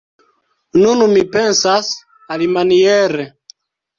Nun mi pensas alimaniere.